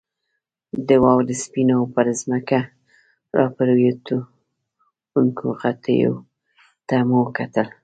د واورې سپینو او پر ځمکه راپرېوتونکو غټیو ته مو کتل.